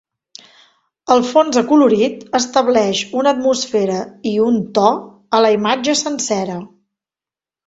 El fons acolorit estableix una atmosfera i un to a la imatge sencera.